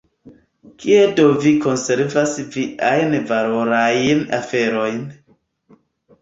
Kie do vi konservas viajn valorajn aferojn?